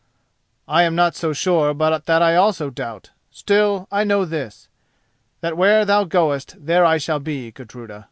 "I am not so sure but that I also doubt. Still, I know this: that where thou goest there I shall be, Gudruda."